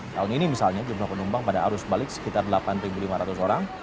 tahun ini misalnya jumlah penumpang pada arus balik sekitar delapan lima ratus orang